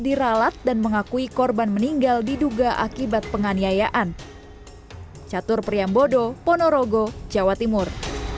diralat dan mengakui korban meninggal diduga akibat penganiayaan catur priambodo ponorogo jawa timur